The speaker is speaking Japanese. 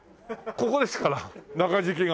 ここですから中敷きが。